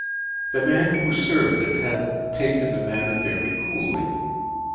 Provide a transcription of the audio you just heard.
The man who served it had taken the matter very coolly.